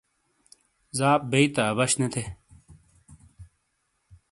زاپ بئیی تا، عبش نے تھے۔